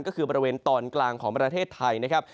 ก็คือบริเวณตอนกลางของประเทศไทยนะครับ